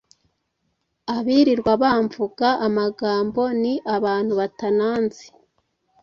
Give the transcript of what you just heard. abirirwa bamvuga amagambo ni abantu batananzi